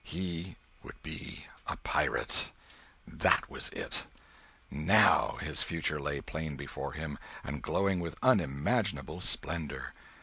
He would be a pirate! That was it! now his future lay plain before him, and glowing with unimaginable splendor.